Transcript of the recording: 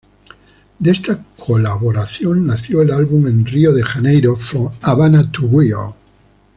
De esta colaboración nació el álbum en Río de Janeiro, "From Havana to Rio".